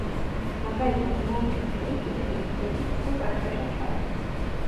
მაგალითად, ლურჯი ფერი ყვითელის გვერდით უფრო კაშკაშა ჩანს.